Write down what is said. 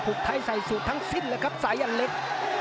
ผลักท้ายใส่สุดทั้งสิ้นล่ะครับสายอันเล็ก